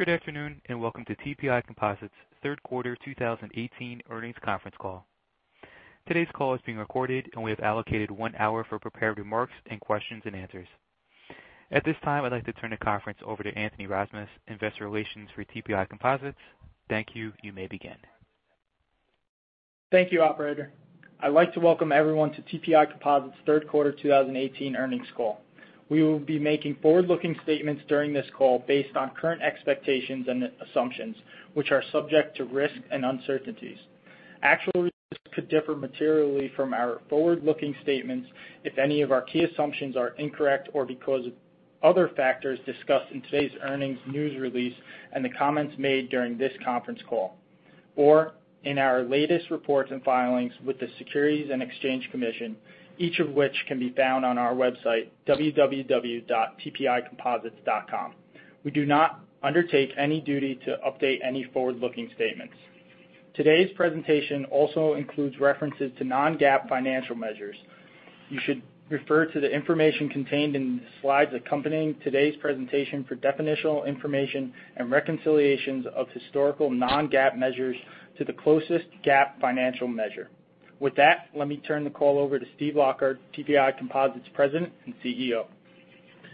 Good afternoon, welcome to TPI Composites' third quarter 2018 earnings conference call. Today's call is being recorded, we have allocated one hour for prepared remarks and questions and answers. At this time, I'd like to turn the conference over to Anthony Rasmus, investor relations for TPI Composites. Thank you. You may begin. Thank you, operator. I'd like to welcome everyone to TPI Composites' third quarter 2018 earnings call. We will be making forward-looking statements during this call based on current expectations and assumptions, which are subject to risk and uncertainties. Actual results could differ materially from our forward-looking statements if any of our key assumptions are incorrect or because of other factors discussed in today's earnings news release and the comments made during this conference call, or in our latest reports and filings with the Securities and Exchange Commission, each of which can be found on our website, www.tpicomposites.com. We do not undertake any duty to update any forward-looking statements. Today's presentation also includes references to non-GAAP financial measures. You should refer to the information contained in the slides accompanying today's presentation for definitional information and reconciliations of historical non-GAAP measures to the closest GAAP financial measure. With that, let me turn the call over to Steven Lockard, TPI Composites' President and Chief Executive Officer.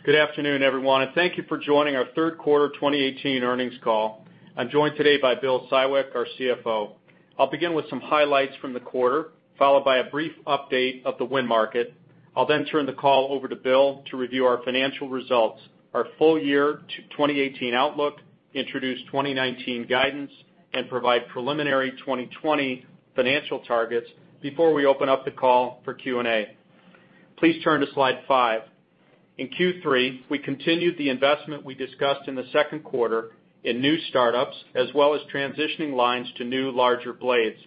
Good afternoon, everyone, thank you for joining our third quarter 2018 earnings call. I'm joined today by William Siwek, our Chief Financial Officer. I'll begin with some highlights from the quarter, followed by a brief update of the wind market. I'll then turn the call over to Bill to review our financial results, our full year 2018 outlook, introduce 2019 guidance, and provide preliminary 2020 financial targets before we open up the call for Q&A. Please turn to slide five. In Q3, we continued the investment we discussed in the second quarter in new startups, as well as transitioning lines to new, larger blades.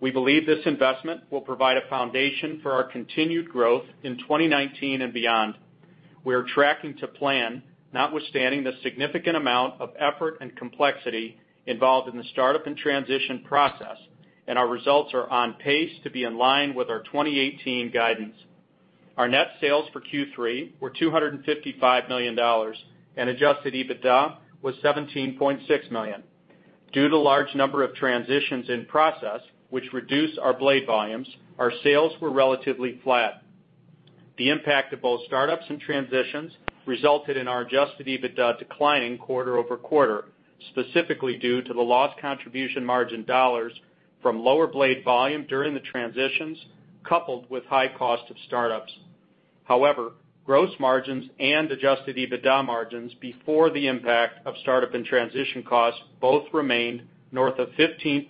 We believe this investment will provide a foundation for our continued growth in 2019 and beyond. We are tracking to plan, notwithstanding the significant amount of effort and complexity involved in the startup and transition process, and our results are on pace to be in line with our 2018 guidance. Our net sales for Q3 were $255 million, and adjusted EBITDA was $17.6 million. Due to large number of transitions in process, which reduced our blade volumes, our sales were relatively flat. The impact of both startups and transitions resulted in our adjusted EBITDA declining quarter-over-quarter, specifically due to the lost contribution margin dollars from lower blade volume during the transitions, coupled with high cost of startups. However, gross margins and adjusted EBITDA margins before the impact of startup and transition costs both remained north of 15%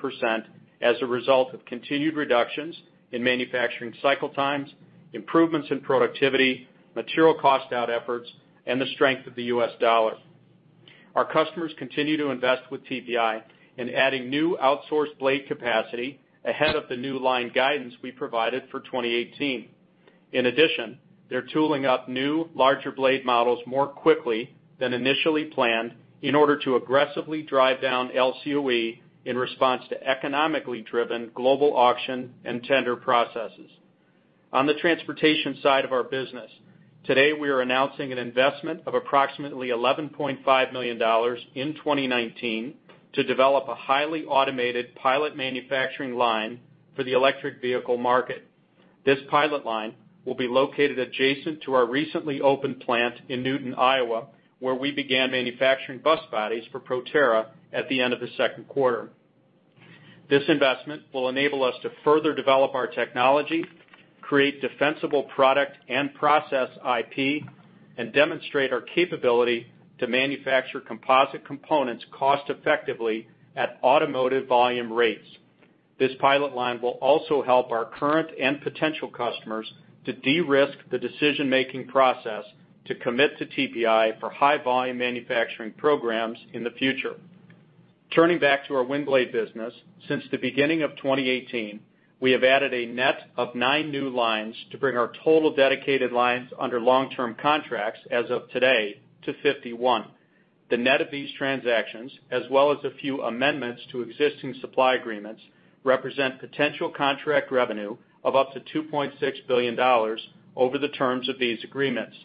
as a result of continued reductions in manufacturing cycle times, improvements in productivity, material cost-out efforts and the strength of the US dollar. Our customers continue to invest with TPI in adding new outsourced blade capacity ahead of the new line guidance we provided for 2018. In addition, they're tooling up new larger blade models more quickly than initially planned in order to aggressively drive down LCOE in response to economically driven global auction and tender processes. On the transportation side of our business, today we are announcing an investment of approximately $11.5 million in 2019 to develop a highly automated pilot manufacturing line for the electric vehicle market. This pilot line will be located adjacent to our recently opened plant in Newton, Iowa, where we began manufacturing bus bodies for Proterra at the end of the second quarter. This investment will enable us to further develop our technology, create defensible product and process IP, and demonstrate our capability to manufacture composite components cost effectively at automotive volume rates. This pilot line will also help our current and potential customers to de-risk the decision-making process to commit to TPI for high-volume manufacturing programs in the future. Turning back to our wind blade business, since the beginning of 2018, we have added a net of nine new lines to bring our total dedicated lines under long-term contracts as of today to 51. The net of these transactions, as well as a few amendments to existing supply agreements, represent potential contract revenue of up to $2.6 billion over the terms of these agreements.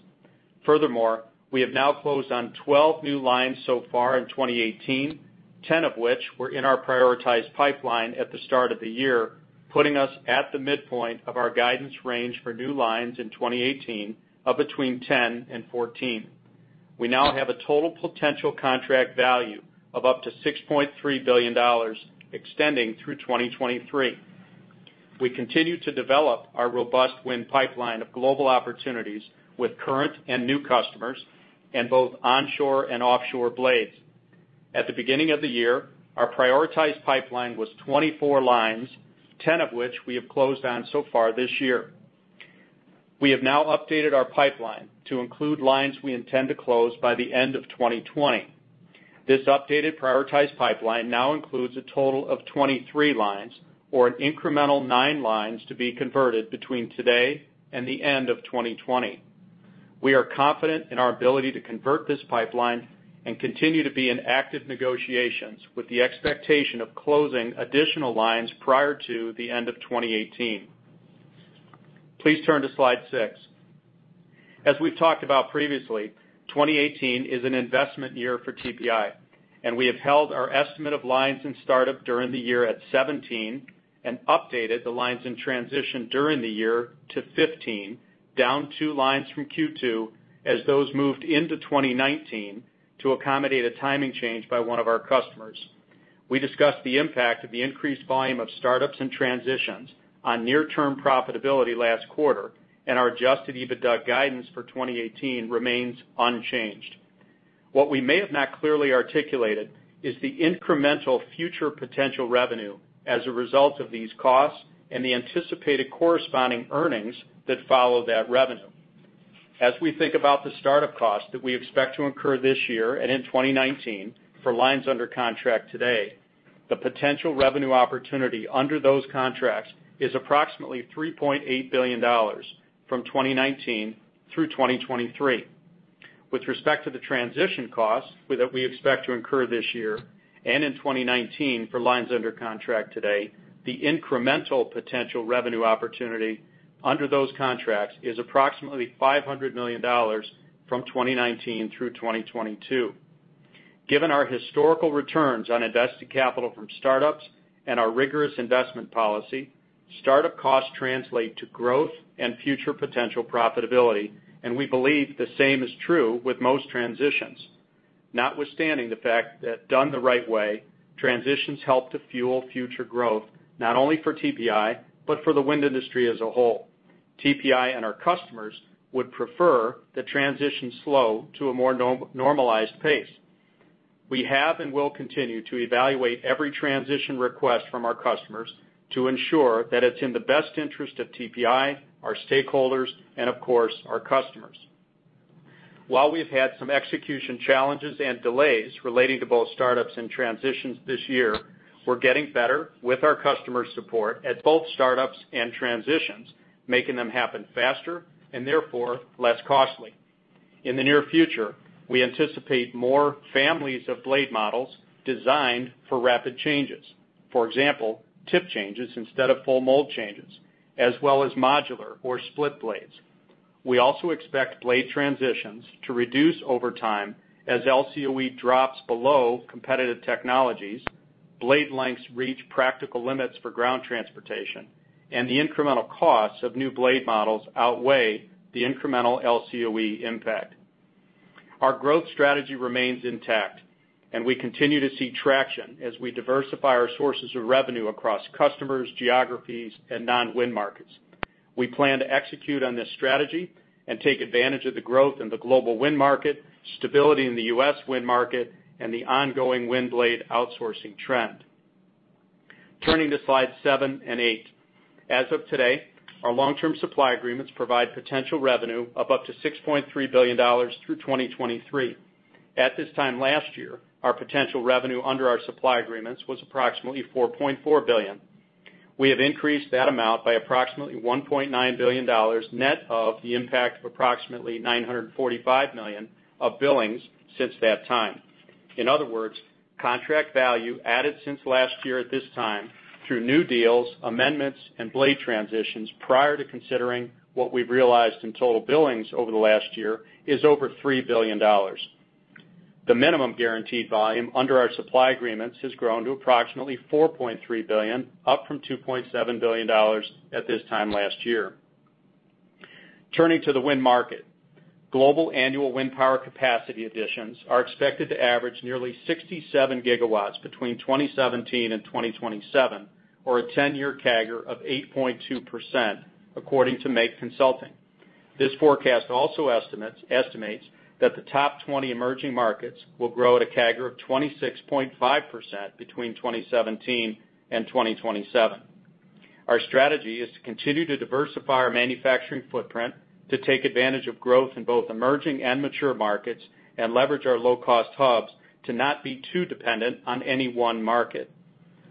Furthermore, we have now closed on 12 new lines so far in 2018, 10 of which were in our prioritized pipeline at the start of the year, putting us at the midpoint of our guidance range for new lines in 2018 of between 10 and 14. We now have a total potential contract value of up to $6.3 billion extending through 2023. We continue to develop our robust wind pipeline of global opportunities with current and new customers in both onshore and offshore blades. At the beginning of the year, our prioritized pipeline was 24 lines, 10 of which we have closed on so far this year. We have now updated our pipeline to include lines we intend to close by the end of 2020. This updated prioritized pipeline now includes a total of 23 lines, or an incremental nine lines to be converted between today and the end of 2020. We are confident in our ability to convert this pipeline and continue to be in active negotiations with the expectation of closing additional lines prior to the end of 2018. Please turn to slide six. As we've talked about previously, 2018 is an investment year for TPI, and we have held our estimate of lines in startup during the year at 17 and updated the lines in transition during the year to 15, down two lines from Q2 as those moved into 2019 to accommodate a timing change by one of our customers. We discussed the impact of the increased volume of startups and transitions on near-term profitability last quarter, and our adjusted EBITDA guidance for 2018 remains unchanged. What we may have not clearly articulated is the incremental future potential revenue as a result of these costs and the anticipated corresponding earnings that follow that revenue. As we think about the startup costs that we expect to incur this year and in 2019 for lines under contract today, the potential revenue opportunity under those contracts is approximately $3.8 billion from 2019 through 2023. With respect to the transition costs that we expect to incur this year and in 2019 for lines under contract today, the incremental potential revenue opportunity under those contracts is approximately $500 million from 2019 through 2022. Given our historical returns on invested capital from startups and our rigorous investment policy, startup costs translate to growth and future potential profitability, and we believe the same is true with most transitions. Notwithstanding the fact that done the right way, transitions help to fuel future growth, not only for TPI, but for the wind industry as a whole. TPI and our customers would prefer the transition slow to a more normalized pace. We have and will continue to evaluate every transition request from our customers to ensure that it's in the best interest of TPI, our stakeholders, and of course, our customers. While we've had some execution challenges and delays relating to both startups and transitions this year, we're getting better with our customer support at both startups and transitions, making them happen faster and therefore less costly. In the near future, we anticipate more families of blade models designed for rapid changes. For example, tip changes instead of full mold changes, as well as modular or split blades. We also expect blade transitions to reduce over time as LCOE drops below competitive technologies, blade lengths reach practical limits for ground transportation, and the incremental costs of new blade models outweigh the incremental LCOE impact. Our growth strategy remains intact, and we continue to see traction as we diversify our sources of revenue across customers, geographies, and non-wind markets. We plan to execute on this strategy and take advantage of the growth in the global wind market, stability in the U.S. wind market, and the ongoing wind blade outsourcing trend. Turning to slide seven and eight. As of today, our long-term supply agreements provide potential revenue of up to $6.3 billion through 2023. At this time last year, our potential revenue under our supply agreements was approximately $4.4 billion. We have increased that amount by approximately $1.9 billion net of the impact of approximately $945 million of billings since that time. In other words, contract value added since last year at this time through new deals, amendments, and blade transitions prior to considering what we've realized in total billings over the last year is over $3 billion. The minimum guaranteed volume under our supply agreements has grown to approximately $4.3 billion, up from $2.7 billion at this time last year. Turning to the wind market. Global annual wind power capacity additions are expected to average nearly 67 GW between 2017 and 2027, or a 10-year CAGR of 8.2%, according to MAKE Consulting. This forecast also estimates that the top 20 emerging markets will grow at a CAGR of 26.5% between 2017 and 2027. Our strategy is to continue to diversify our manufacturing footprint to take advantage of growth in both emerging and mature markets and leverage our low-cost hubs to not be too dependent on any one market.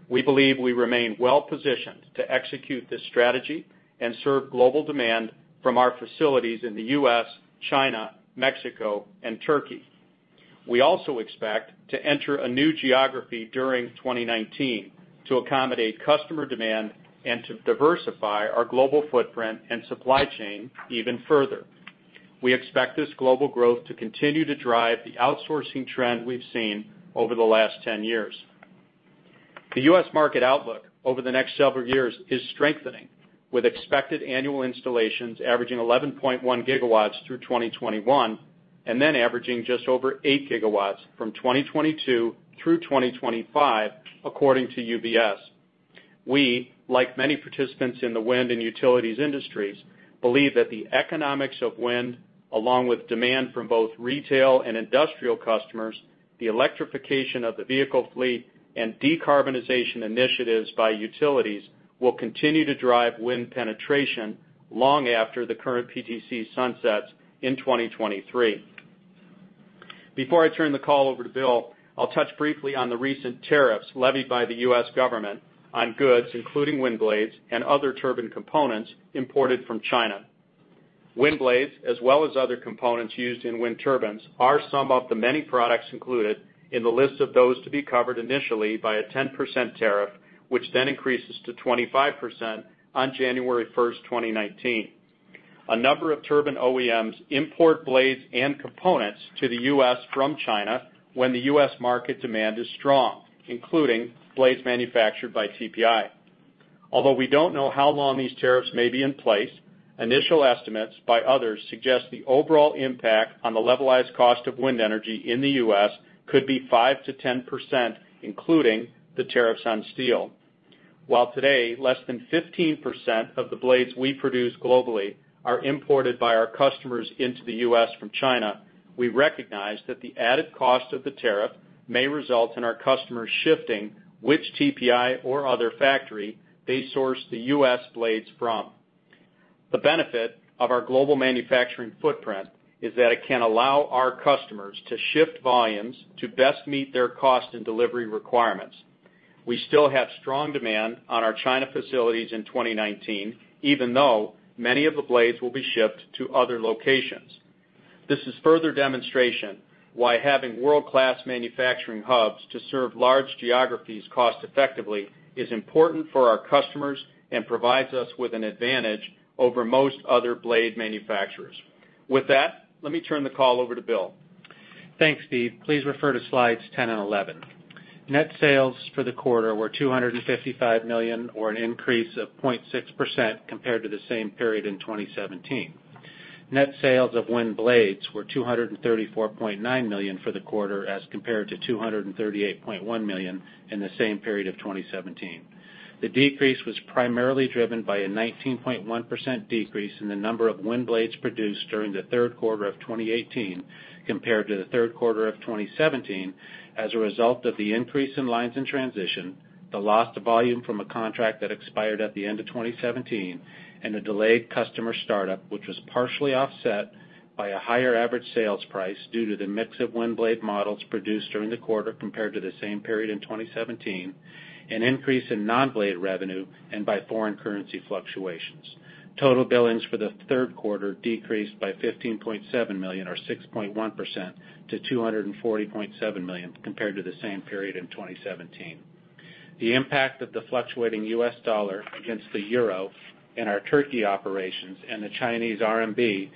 We believe we remain well-positioned to execute this strategy and serve global demand from our facilities in the U.S., China, Mexico and Turkey. We also expect to enter a new geography during 2019 to accommodate customer demand and to diversify our global footprint and supply chain even further. We expect this global growth to continue to drive the outsourcing trend we've seen over the last 10 years. The U.S. market outlook over the next several years is strengthening, with expected annual installations averaging 11.1 GW through 2021, and then averaging just over eight GW from 2022 through 2025, according to UBS. We, like many participants in the wind and utilities industries, believe that the economics of wind, along with demand from both retail and industrial customers, the electrification of the vehicle fleet, and decarbonization initiatives by utilities, will continue to drive wind penetration long after the current PTC sunsets in 2023. Before I turn the call over to Will, I'll touch briefly on the recent tariffs levied by the U.S. government on goods, including wind blades and other turbine components imported from China. Wind blades, as well as other components used in wind turbines, are some of the many products included in the list of those to be covered initially by a 10% tariff, which then increases to 25% on January 1, 2019. A number of turbine OEMs import blades and components to the U.S. from China when the U.S. market demand is strong, including blades manufactured by TPI. Although we don't know how long these tariffs may be in place, initial estimates by others suggest the overall impact on the levelized cost of wind energy in the U.S. could be 5%-10%, including the tariffs on steel. Today, less than 15% of the blades we produce globally are imported by our customers into the U.S. from China, we recognize that the added cost of the tariff may result in our customers shifting which TPI or other factory they source the U.S. blades from. The benefit of our global manufacturing footprint is that it can allow our customers to shift volumes to best meet their cost and delivery requirements. We still have strong demand on our China facilities in 2019, even though many of the blades will be shipped to other locations. This is further demonstration why having world-class manufacturing hubs to serve large geographies cost effectively is important for our customers and provides us with an advantage over most other blade manufacturers. With that, let me turn the call over to Bill. Thanks, Steve. Please refer to slides 10 and 11. Net sales for the quarter were $255 million, or an increase of 0.6% compared to the same period in 2017. Net sales of wind blades were $234.9 million for the quarter as compared to $238.1 million in the same period of 2017. The decrease was primarily driven by a 19.1% decrease in the number of wind blades produced during the third quarter of 2018 compared to the third quarter of 2017 as a result of the increase in lines in transition, the loss to volume from a contract that expired at the end of 2017, and a delayed customer startup, which was partially offset by a higher average sales price due to the mix of wind blade models produced during the quarter compared to the same period in 2017, an increase in non-blade revenue and by foreign currency fluctuations. Total billings for the third quarter decreased by $15.7 million, or 6.1%, to $240.7 million compared to the same period in 2017. The impact of the fluctuating US dollar against the euro in our Turkey operations and the Chinese RMB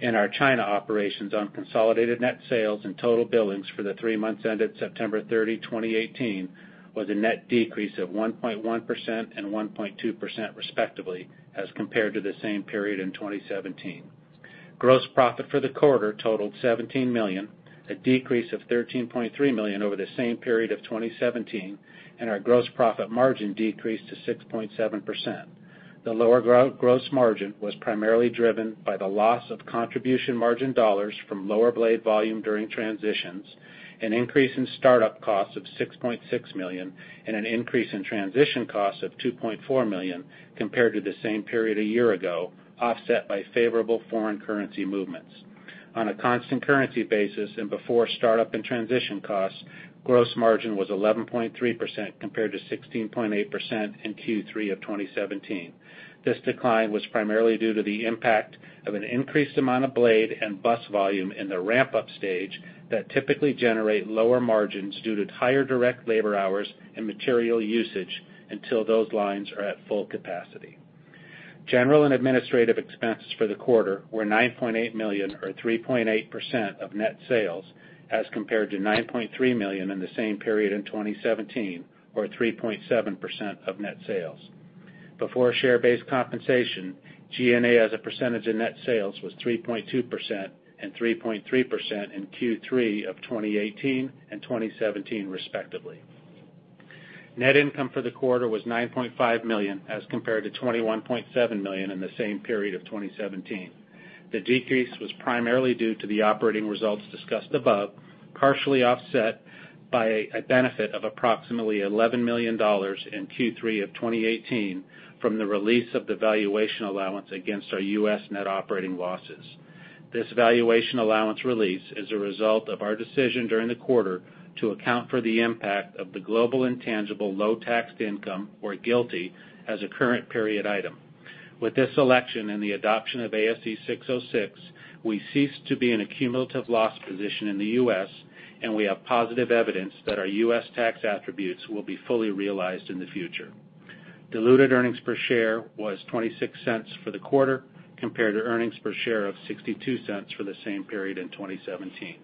in our China operations on consolidated net sales and total billings for the three months ended September 30, 2018, was a net decrease of 1.1% and 1.2% respectively as compared to the same period in 2017. Gross profit for the quarter totaled $17 million, a decrease of $13.3 million over the same period of 2017,and our gross profit margin decreased to 6.7%. The lower gross margin was primarily driven by the loss of contribution margin dollars from lower blade volume during transitions, an increase in startup costs of $6.6 million, and an increase in transition costs of $2.4 million compared to the same period a year ago, offset by favorable foreign currency movements. On a constant currency basis and before startup and transition costs, gross margin was 11.3% compared to 16.8% in Q3 of 2017. This decline was primarily due to the impact of an increased amount of blade and bus volume in the ramp-up stage that typically generate lower margins due to higher direct labor hours and material usage until those lines are at full capacity. General and administrative expenses for the quarter were $9.8 million, or 3.8% of net sales, as compared to $9.3 million in the same period in 2017, or 3.7% of net sales. Before share-based compensation, G&A as a percentage of net sales was 3.2% and 3.3% in Q3 of 2018 and 2017, respectively. Net income for the quarter was $9.5 million as compared to $21.7 million in the same period of 2017. The decrease was primarily due to the operating results discussed above, partially offset by a benefit of approximately $11 million in Q3 of 2018 from the release of the valuation allowance against our U.S. net operating losses. This valuation allowance release is a result of our decision during the quarter to account for the impact of the global intangible low-taxed income, or GILTI, as a current period item. With this election and the adoption of ASC 606, we ceased to be in a cumulative loss position in the U.S., and we have positive evidence that our U.S. tax attributes will be fully realized in the future. Diluted earnings per share was $0.26 for the quarter compared to earnings per share of $0.62 for the same period in 2017.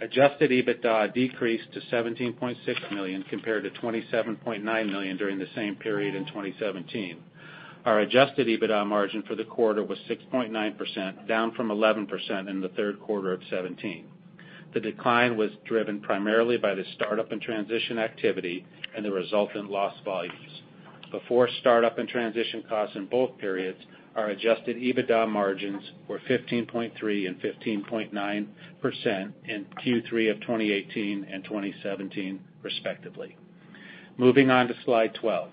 Adjusted EBITDA decreased to $17.6 million compared to $27.9 million during the same period in 2017. Our adjusted EBITDA margin for the quarter was 6.9%, down from 11% in the third quarter of 2017. The decline was driven primarily by the startup and transition activity and the resultant loss volumes. Before startup and transition costs in both periods, our adjusted EBITDA margins were 15.3% and 15.9% in Q3 of 2018 and 2017, respectively. Moving on to Slide 12.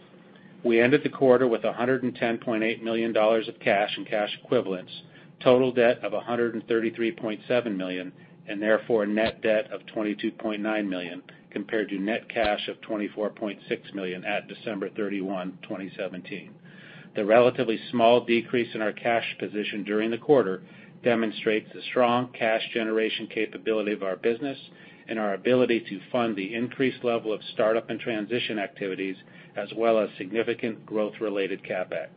We ended the quarter with $110.8 million of cash and cash equivalents, total debt of $133.7 million, and therefore net debt of $22.9 million, compared to net cash of $24.6 million at December 31, 2017. The relatively small decrease in our cash position during the quarter demonstrates the strong cash generation capability of our business and our ability to fund the increased level of startup and transition activities, as well as significant growth-related CapEx.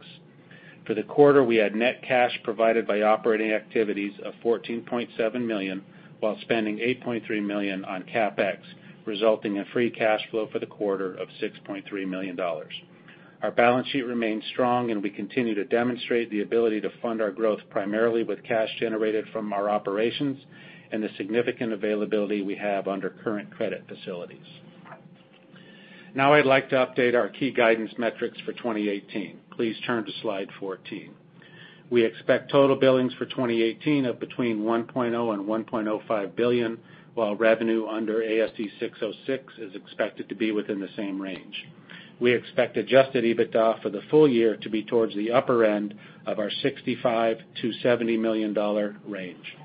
For the quarter, we had net cash provided by operating activities of $14.7 million, while spending $8.3 million on CapEx, resulting in free cash flow for the quarter of $6.3 million. Our balance sheet remains strong, and we continue to demonstrate the ability to fund our growth primarily with cash generated from our operations and the significant availability we have under current credit facilities. I'd like to update our key guidance metrics for 2018. Please turn to Slide 14. We expect total billings for 2018 of between $1.0 billion and $1.05 billion, while revenue under ASC 606 is expected to be within the same range. We expect adjusted EBITDA for the full year to be towards the upper end of our $65 million-$70 million range.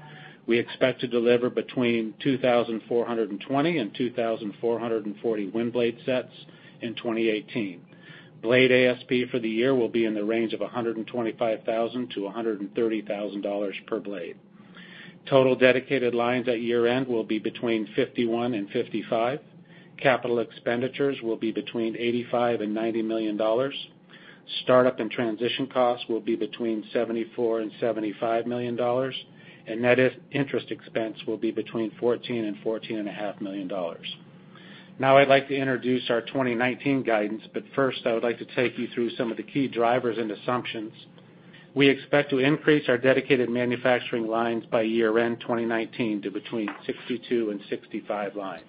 We expect to deliver between 2,420 and 2,440 wind blade sets in 2018. Blade ASP for the year will be in the range of $125,000-$130,000 per blade. Total dedicated lines at year-end will be between 51 and 55. Capital expenditures will be between $85 million and $90 million. Startup and transition costs will be between $74 million and $75 million, and net interest expense will be between $14 million and $14.5 million. I'd like to introduce our 2019 guidance. First, I would like to take you through some of the key drivers and assumptions. We expect to increase our dedicated manufacturing lines by year-end 2019 to between 62 and 65 lines.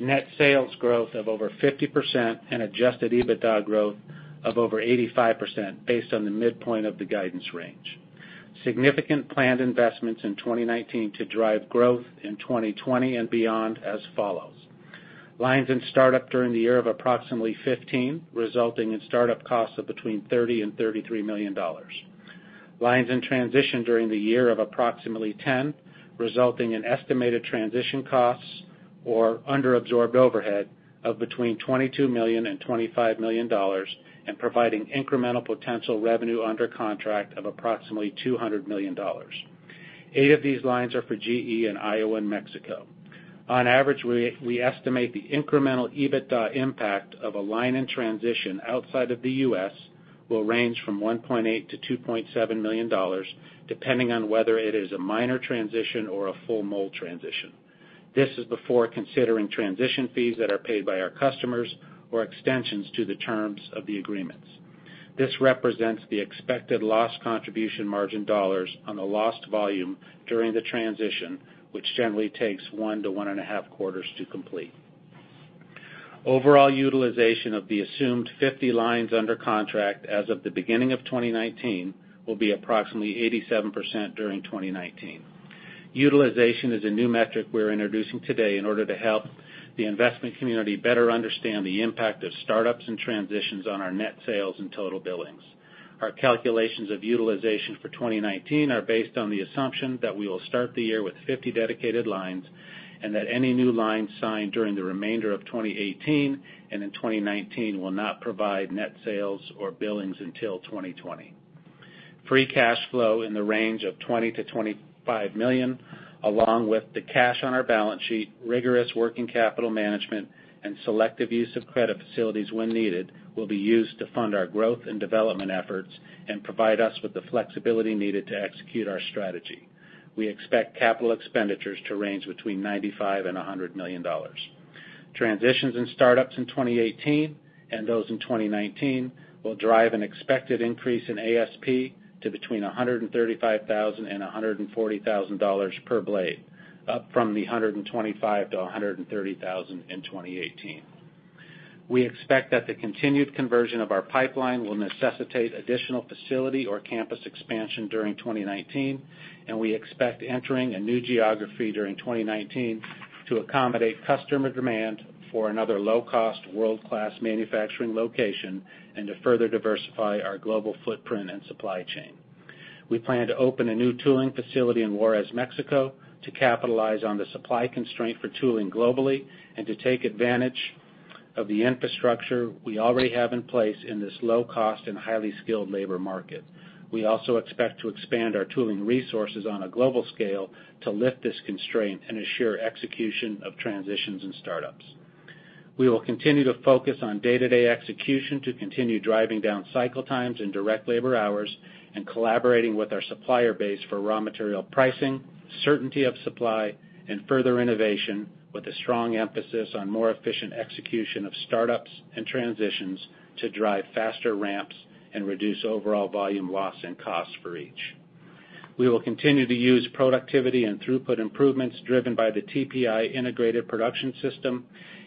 Net sales growth of over 50% and adjusted EBITDA growth of over 85%, based on the midpoint of the guidance range. Significant planned investments in 2019 to drive growth in 2020 and beyond as follows. Lines in startup during the year of approximately 15, resulting in startup costs of between $30 million and $33 million. Lines in transition during the year of approximately 10, resulting in estimated transition costs or under-absorbed overhead of between $22 million and $25 million, and providing incremental potential revenue under contract of approximately $200 million. Eight of these lines are for GE in Iowa and Mexico. On average, we estimate the incremental EBITDA impact of a line in transition outside of the U.S. will range from $1.8 million-$2.7 million, depending on whether it is a minor transition or a full mold transition. This is before considering transition fees that are paid by our customers or extensions to the terms of the agreements. This represents the expected lost contribution margin dollars on the lost volume during the transition, which generally takes one to one and a half quarters to complete. Overall utilization of the assumed 50 lines under contract as of the beginning of 2019 will be approximately 87% during 2019. Utilization is a new metric we're introducing today in order to help the investment community better understand the impact of startups and transitions on our net sales and total billings. Our calculations of utilization for 2019 are based on the assumption that we will start the year with 50 dedicated lines, and that any new lines signed during the remainder of 2018 and in 2019 will not provide net sales or billings until 2020. Free cash flow in the range of $20 million-$25 million, along with the cash on our balance sheet, rigorous working capital management, and selective use of credit facilities when needed, will be used to fund our growth and development efforts and provide us with the flexibility needed to execute our strategy. We expect capital expenditures to range between $95 million and $100 million. Transitions and startups in 2018 and those in 2019 will drive an expected increase in ASP to between $135,000 and $140,000 per blade, up from the $125,000 to $130,000 in 2018. We expect that the continued conversion of our pipeline will necessitate additional facility or campus expansion during 2019, and we expect entering a new geography during 2019 to accommodate customer demand for another low-cost, world-class manufacturing location and to further diversify our global footprint and supply chain. We plan to open a new tooling facility in Juárez, Mexico, to capitalize on the supply constraint for tooling globally and to take advantage of the infrastructure we already have in place in this low-cost and highly skilled labor market. We also expect to expand our tooling resources on a global scale to lift this constraint and assure execution of transitions and startups. We will continue to focus on day-to-day execution to continue driving down cycle times and direct labor hours and collaborating with our supplier base for raw material pricing, certainty of supply, and further innovation, with a strong emphasis on more efficient execution of startups and transitions to drive faster ramps and reduce overall volume loss and costs for each. We will continue to use productivity and throughput improvements driven by the TPI Integrated Production System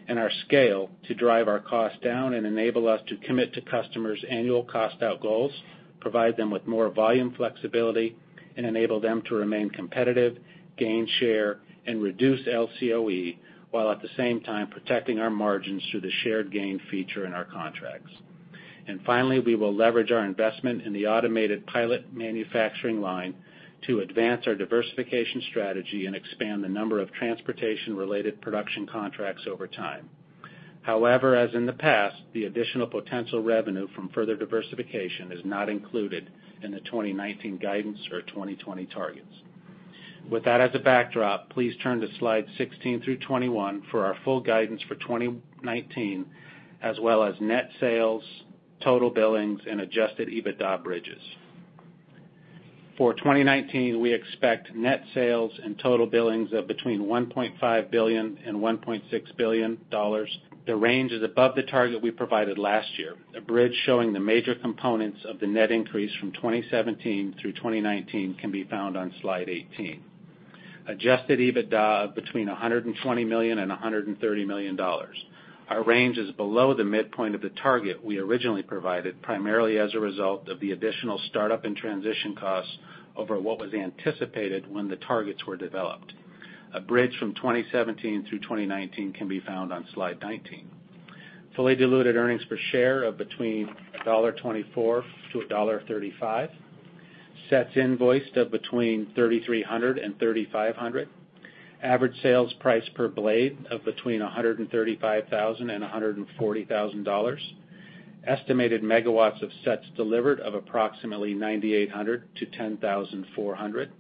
and our scale to drive our costs down and enable us to commit to customers' annual cost-out goals, provide them with more volume flexibility and enable them to remain competitive, gain share, and reduce LCOE, while at the same time protecting our margins through the shared gain feature in our contracts. Finally, we will leverage our investment in the automated pilot manufacturing line to advance our diversification strategy and expand the number of transportation-related production contracts over time. However, as in the past, the additional potential revenue from further diversification is not included in the 2019 guidance or 2020 targets. With that as a backdrop, please turn to slides 16 through 21 for our full guidance for 2019, as well as net sales, total billings, and adjusted EBITDA bridges. For 2019, we expect net sales and total billings of between $1.5 billion and $1.6 billion. The range is above the target we provided last year. A bridge showing the major components of the net increase from 2017 through 2019 can be found on slide 18. Adjusted EBITDA of between $120 million and $130 million. Our range is below the midpoint of the target we originally provided, primarily as a result of the additional startup and transition costs over what was anticipated when the targets were developed. A bridge from 2017 through 2019 can be found on slide 19. Fully diluted earnings per share of between $1.24 to $1.35. Sets invoiced of between 3,300 and 3,500. Average sales price per blade of between $135,000 and $140,000. Estimated megawatts of sets delivered of approximately 9,800 to 10,400.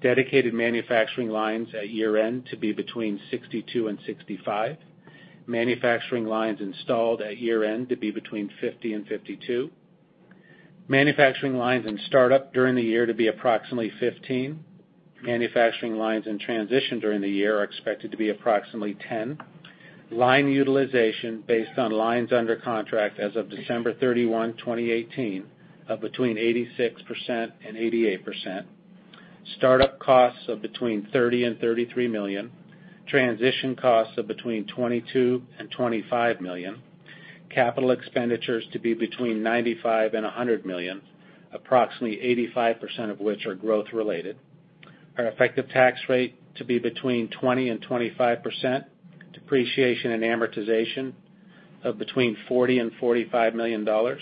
Dedicated manufacturing lines at year-end to be between 62 and 65. Manufacturing lines installed at year-end to be between 50 and 52. Manufacturing lines in startup during the year to be approximately 15. Manufacturing lines in transition during the year are expected to be approximately 10. Line utilization based on lines under contract as of December 31, 2018, of between 86% and 88%. Startup costs of between $30 million and $33 million. Transition costs of between $22 million and $25 million. CapEx to be between $95 million and $100 million, approximately 85% of which are growth-related. Our effective tax rate to be between 20% and 25%. Depreciation and amortization of between $40 million and $45 million.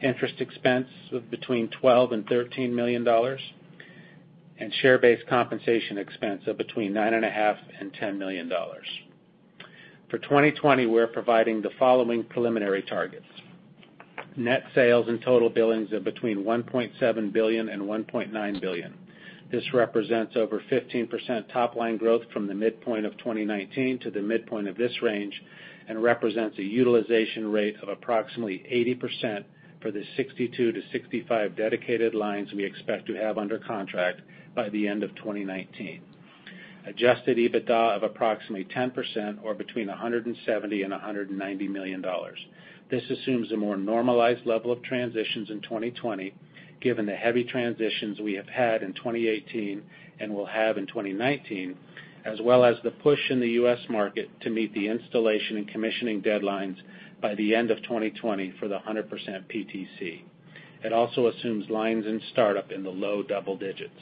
Interest expense of between $12 million and $13 million. Share-based compensation expense of between $9.5 million and $10 million. For 2020, we're providing the following preliminary targets. Net sales and total billings of between $1.7 billion and $1.9 billion. This represents over 15% top-line growth from the midpoint of 2019 to the midpoint of this range and represents a utilization rate of approximately 80% for the 62 to 65 dedicated lines we expect to have under contract by the end of 2019. Adjusted EBITDA of approximately 10%, or between $170 million and $190 million. This assumes a more normalized level of transitions in 2020, given the heavy transitions we have had in 2018 and will have in 2019, as well as the push in the U.S. market to meet the installation and commissioning deadlines by the end of 2020 for the 100% PTC. It also assumes lines in startup in the low double digits.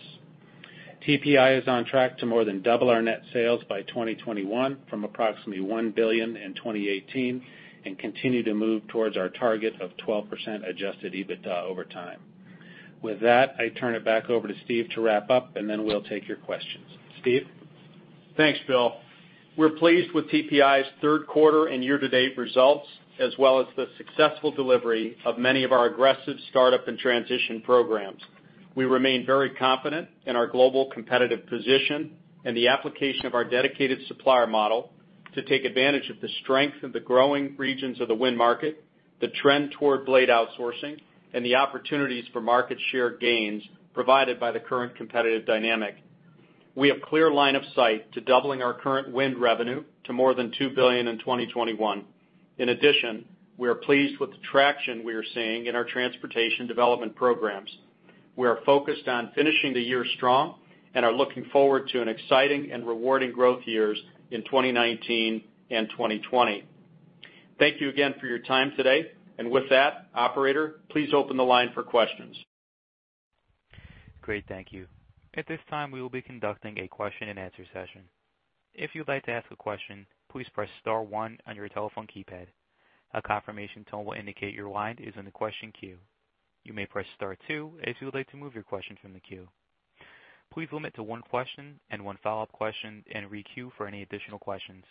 TPI is on track to more than double our net sales by 2021 from approximately $1 billion in 2018 and continue to move towards our target of 12% adjusted EBITDA over time. With that, I turn it back over to Steve to wrap up, and then we'll take your questions. Steve? Thanks, Bill. We're pleased with TPI's third quarter and year-to-date results, as well as the successful delivery of many of our aggressive startup and transition programs. We remain very confident in our global competitive position and the application of our dedicated supplier model to take advantage of the strength of the growing regions of the wind market, the trend toward blade outsourcing, and the opportunities for market share gains provided by the current competitive dynamic. We have clear line of sight to doubling our current wind revenue to more than $2 billion in 2021. In addition, we are pleased with the traction we are seeing in our transportation development programs. We are focused on finishing the year strong and are looking forward to an exciting and rewarding growth years in 2019 and 2020. Thank you again for your time today, and with that, operator, please open the line for questions. Great. Thank you. At this time, we will be conducting a question and answer session. If you'd like to ask a question, please press star, one on your telephone keypad. A confirmation tone will indicate your line is in the question queue. You may press star, two if you would like to move your question from the queue. Please limit to one question and one follow-up question and re-queue for any additional questions.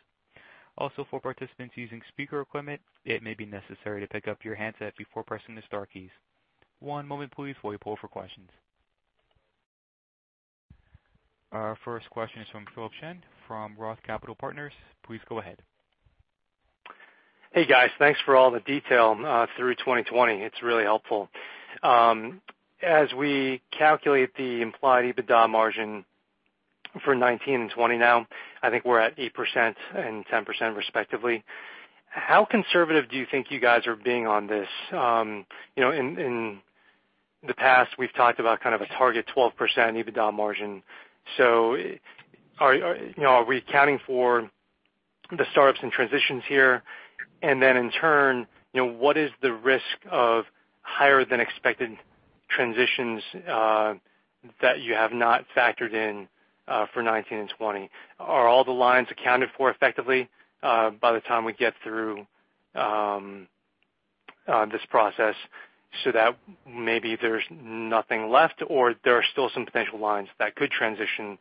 Also, for participants using speaker equipment, it may be necessary to pick up your handset before pressing the star keys. One moment please while we poll for questions. Our first question is from Philip Shen from Roth Capital Partners, please go ahead. Hey, guys. Thanks for all the detail through 2020. It's really helpful. As we calculate the implied EBITDA margin for 2019 and 2020 now, I think we're at 8% and 10% respectively. How conservative do you think you guys are being on this? In the past, we've talked about kind of a target 12% EBITDA margin. Are we accounting for the startups and transitions here, and then in turn, what is the risk of higher than expected transitions that you have not factored in for 2019 and 2020? Are all the lines accounted for effectively by the time we get through this process so that maybe there's nothing left, or there are still some potential lines that could transition?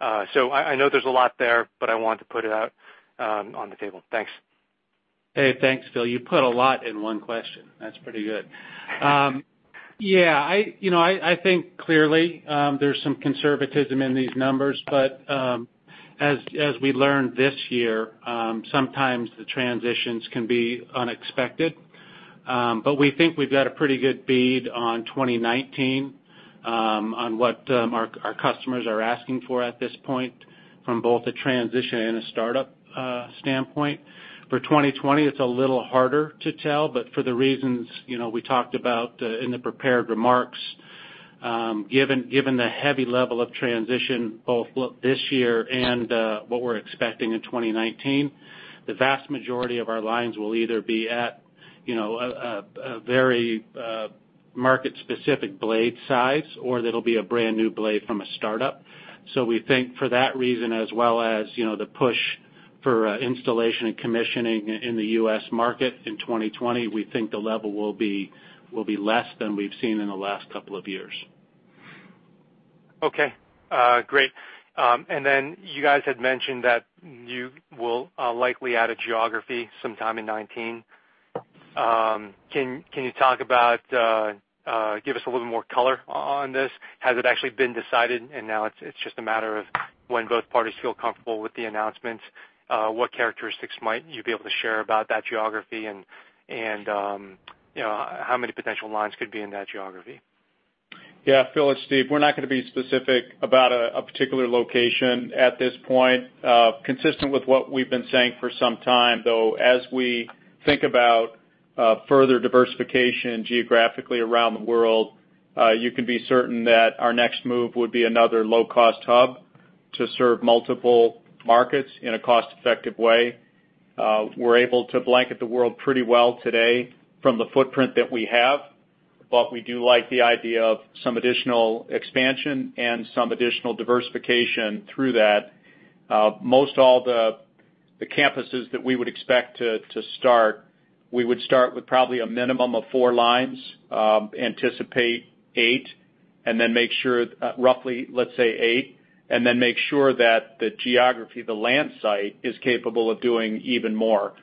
I know there's a lot there, but I wanted to put it out on the table. Thanks. Hey, thanks, Phil. You put a lot in one question. That's pretty good. Yeah. I think clearly, there's some conservatism in these numbers, but as we learned this year, sometimes the transitions can be unexpected. We think we've got a pretty good bead on 2019, on what our customers are asking for at this point from both a transition and a startup standpoint. For 2020, it's a little harder to tell, but for the reasons we talked about in the prepared remarks, given the heavy level of transition both this year and what we're expecting in 2019, the vast majority of our lines will either be at a very market-specific blade size, or that'll be a brand-new blade from a startup. We think for that reason, as well as the push for installation and commissioning in the U.S. market in 2020, we think the level will be less than we've seen in the last couple of years. Okay. Great. Then you guys had mentioned that you will likely add a geography sometime in 2019. Can you give us a little more color on this? Has it actually been decided and now it's just a matter of when both parties feel comfortable with the announcements? What characteristics might you be able to share about that geography and how many potential lines could be in that geography? Yeah. Phil, it's Steve. We're not going to be specific about a particular location at this point. Consistent with what we've been saying for some time, though, as we think about further diversification geographically around the world, you can be certain that our next move would be another low-cost hub to serve multiple markets in a cost-effective way. We do like the idea of some additional expansion and some additional diversification through that. Most all the campuses that we would expect to start, we would start with probably a minimum of four lines, anticipate eight, and then, roughly, let's say eight, and then make sure that the geography, the land site, is capable of doing even more.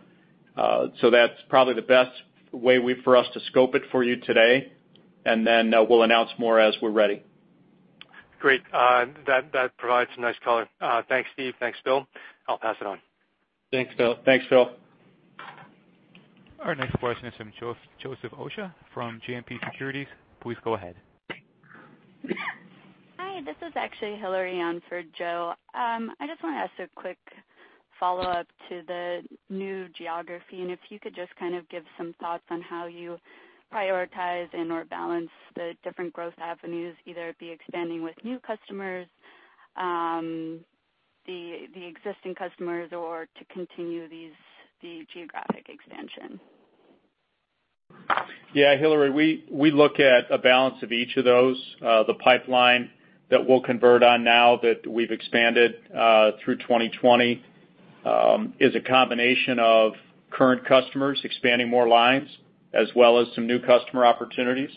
That's probably the best way for us to scope it for you today, and then we'll announce more as we're ready. Great. That provides some nice color. Thanks, Steve. Thanks, Bill. I'll pass it on. Thanks, Phil. Our next question is from Joseph Osha from JMP Securities. Please go ahead. Hi, this is actually Hilary on for Joe. I just want to ask a quick follow-up to the new geography, if you could just kind of give some thoughts on how you prioritize and/or balance the different growth avenues, either it be expanding with new customers, the existing customers, or to continue the geographic expansion. Yeah. Hilary, we look at a balance of each of those. The pipeline that we'll convert on now that we've expanded through 2020 is a combination of current customers expanding more lines, as well as some new customer opportunities.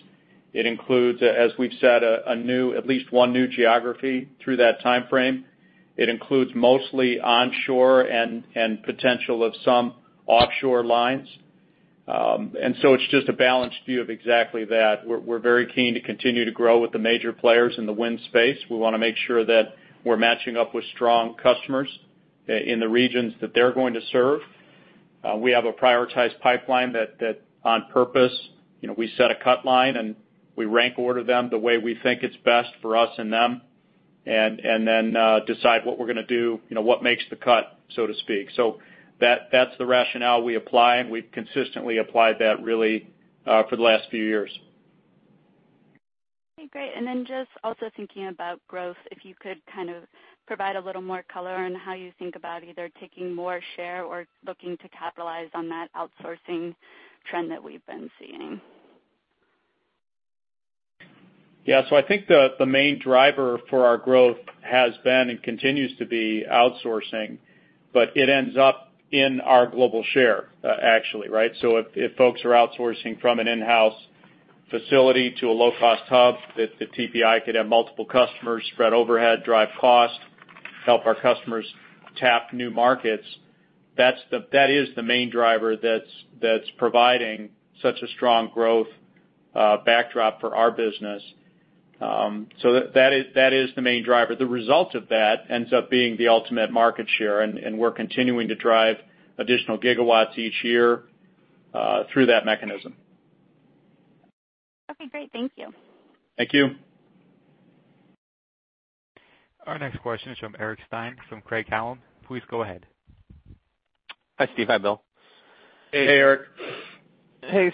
It includes, as we've said, at least one new geography through that timeframe. It includes mostly onshore and potential of some offshore lines. It's just a balanced view of exactly that. We're very keen to continue to grow with the major players in the wind space. We want to make sure that we're matching up with strong customers in the regions that they're going to serve. We have a prioritized pipeline that on purpose, we set a cut line, and we rank order them the way we think it's best for us and them, and then decide what we're going to do, what makes the cut, so to speak. That's the rationale we apply, and we've consistently applied that really for the last few years. Okay, great. Just also thinking about growth, if you could kind of provide a little more color on how you think about either taking more share or looking to capitalize on that outsourcing trend that we've been seeing. Yeah. I think the main driver for our growth has been, and continues to be outsourcing, but it ends up in our global share, actually, right? If folks are outsourcing from an in-house facility to a low-cost hub that TPI could have multiple customers spread overhead, drive cost, help our customers tap new markets, that is the main driver that's providing such a strong growth backdrop for our business. That is the main driver. The result of that ends up being the ultimate market share, and we're continuing to drive additional gigawatts each year through that mechanism. Okay, great. Thank you. Thank you. Our next question is from Eric Stine from Craig-Hallum. Please go ahead. Hi, Steve. Hi, Bill. Hey, Eric. Hey.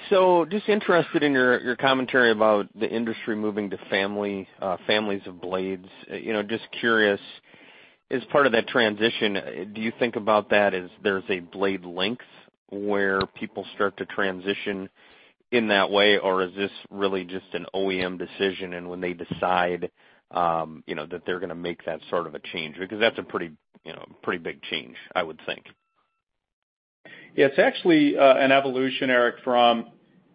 Just interested in your commentary about the industry moving to families of blades. Just curious, as part of that transition, do you think about that as there's a blade length where people start to transition in that way? Or is this really just an OEM decision and when they decide that they're going to make that sort of a change? Because that's a pretty big change, I would think. Yeah. It's actually an evolution, Eric, from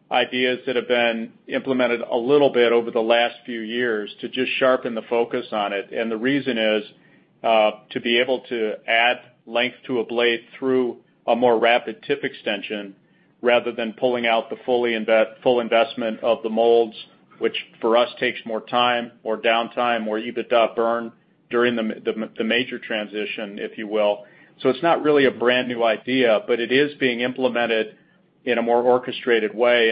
ideas that have been implemented a little bit over the last few years to just sharpen the focus on it. The reason is to be able to add length to a blade through a more rapid tip extension rather than pulling out the full investment of the molds, which for us takes more time, more downtime, more EBITDA burn during the major transition, if you will. It's not really a brand new idea, but it is being implemented in a more orchestrated way.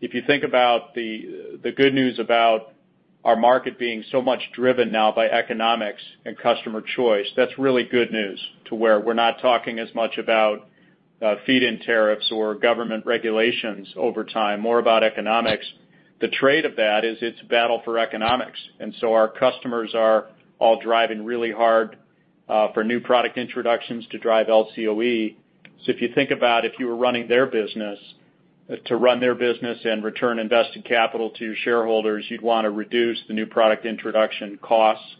If you think about the good news about our market being so much driven now by economics and customer choice, that's really good news to where we're not talking as much about feed-in tariffs or government regulations over time, more about economics. The trade of that is it's a battle for economics, our customers are all driving really hard for new product introductions to drive LCOE. If you think about if you were running their business, to run their business and return invested capital to your shareholders, you'd want to reduce the new product introduction costs.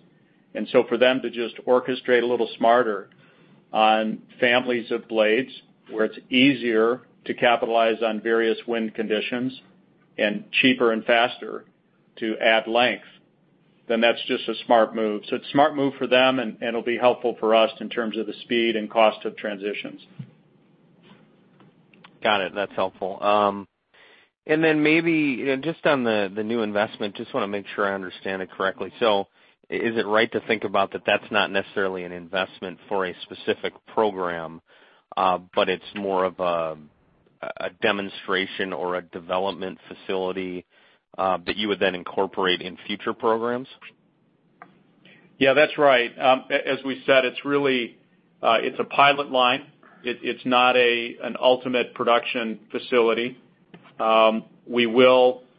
For them to just orchestrate a little smarter on families of blades, where it's easier to capitalize on various wind conditions and cheaper and faster to add length, that's just a smart move. It's a smart move for them, and it'll be helpful for us in terms of the speed and cost of transitions. Got it. That's helpful. Then maybe just on the new investment, just want to make sure I understand it correctly. Is it right to think about that that's not necessarily an investment for a specific program, but it's more of a demonstration or a development facility that you would then incorporate in future programs? Yeah, that's right. As we said, it's a pilot line. It's not an ultimate production facility.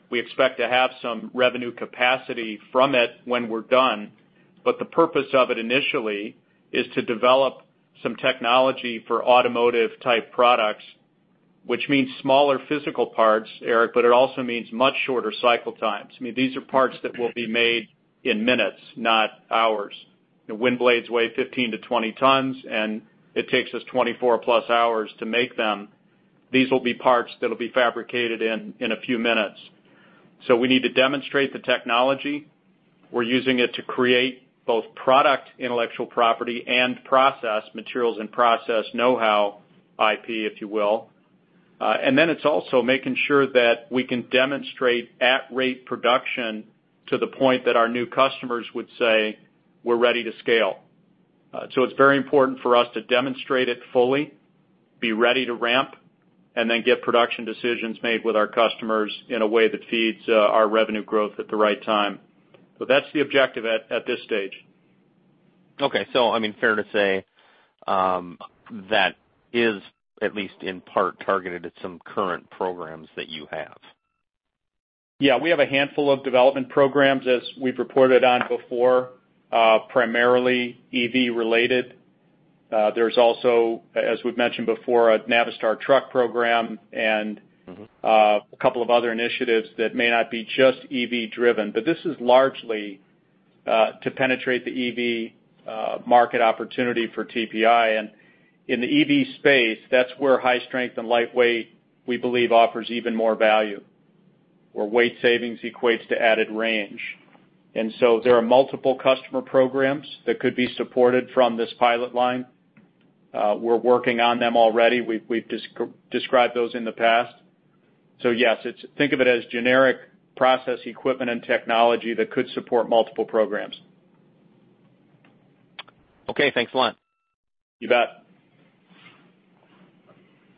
We expect to have some revenue capacity from it when we're done, but the purpose of it initially is to develop some technology for automotive type products, which means smaller physical parts, Eric, but it also means much shorter cycle times. These are parts that will be made in minutes, not hours. Wind blades weigh 15-20 tons, and it takes us 24+ hours to make them. These will be parts that'll be fabricated in a few minutes. We need to demonstrate the technology. We're using it to create both product intellectual property and process materials and process know-how IP, if you will. Then it's also making sure that we can demonstrate at-rate production to the point that our new customers would say we're ready to scale. It's very important for us to demonstrate it fully, be ready to ramp, and then get production decisions made with our customers in a way that feeds our revenue growth at the right time. That's the objective at this stage. Okay. Fair to say that is at least in part targeted at some current programs that you have. Yeah, we have a handful of development programs as we've reported on before, primarily EV related. There's also, as we've mentioned before, a Navistar truck program. a couple of other initiatives that may not be just EV driven. This is largely to penetrate the EV market opportunity for TPI. In the EV space, that's where high strength and lightweight, we believe offers even more value, where weight savings equates to added range. There are multiple customer programs that could be supported from this pilot line. We're working on them already. We've described those in the past. Yes, think of it as generic process equipment and technology that could support multiple programs. Okay, thanks a lot. You bet.